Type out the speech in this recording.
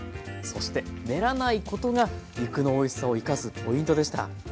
そして練らないことが肉のおいしさを生かすポイントでした。